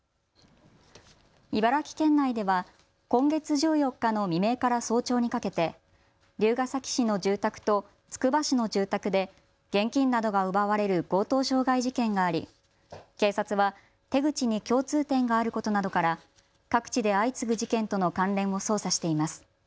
茨城県内では今月１４日の未明から早朝にかけて龍ケ崎市の住宅とつくば市の住宅で現金などが奪われる強盗傷害事件があり警察は手口に共通点があることなどから各地で相次ぐ事件との関連を捜査しています。